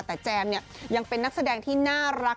แต่แจมเนี่ยยังเป็นนักแสดงที่น่ารัก